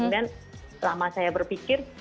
selama saya berpikir